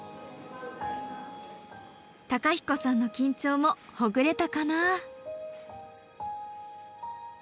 公彦さんの緊張もほぐれたかな？